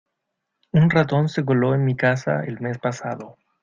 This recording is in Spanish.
Un ratón se coló en mi casa el mes pasado.